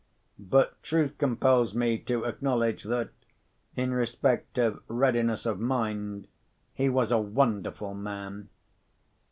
But truth compels me to acknowledge that, in respect of readiness of mind, he was a wonderful man.